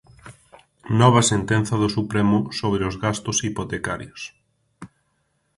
Nova sentenza do Supremo sobre os gastos hipotecarios.